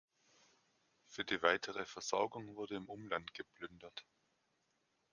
Für die weitere Versorgung wurde im Umland geplündert.